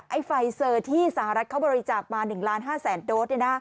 ไอ้ไฟเซอร์ที่สหรัฐเขาบริจาปมา๑๕๐๐๐๐๐โดสต์